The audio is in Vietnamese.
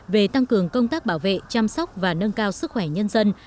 về tăng cường công tác bảo vệ chăm sóc và nâng cao sức khỏe nhân dân